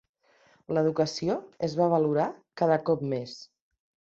L'educació es va valorar cada cap més.